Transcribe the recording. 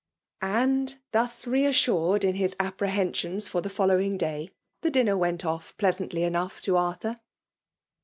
And, thus re assured in his apprehensions for the following day, the dinner went off pleas* antly enough to Arthur.